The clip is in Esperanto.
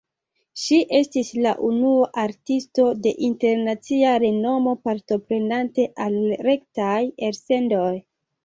Ŝi estis la unua artisto de internacia renomo partoprenante al rektaj elsendoj.